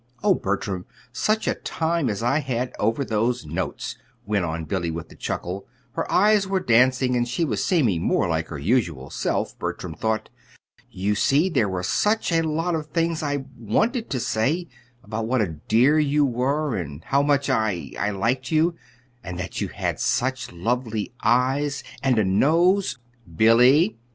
Oh, Bertram, such a time as I had over those notes," went on Billy, with a chuckle. Her eyes were dancing, and she was seeming more like her usual self, Bertram thought. "You see there were such a lot of things I wanted to say, about what a dear you were, and how much I I liked you, and that you had such lovely eyes, and a nose " "Billy!"